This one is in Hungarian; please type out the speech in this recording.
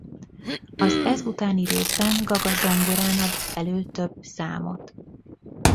Az ez utáni részben Gaga zongorán ad elő több számot.